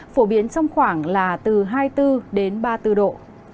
phổ biến trong khoảng là từ hai mươi bốn đến ba mươi bốn độ